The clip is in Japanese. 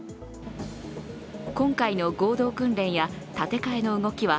今回の合同訓練や建て替えの動きは